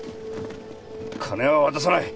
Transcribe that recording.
金は渡さない！